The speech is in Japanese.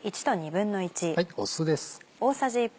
酢です。